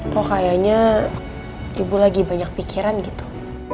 kok kayaknya ibu lagi banyak pikiran gitu